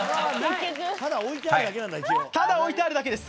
はいただ置いてあるだけです